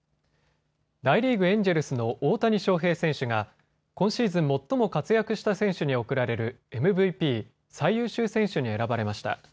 大リーグ、エンジェルスの大谷翔平選手が今シーズン最も活躍した選手に贈られるＭＶＰ・最優秀選手に選ばれました。